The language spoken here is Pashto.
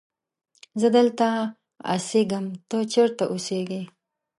زه دلته اسیږم ته چیرت اوسیږی